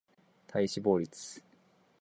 体脂肪率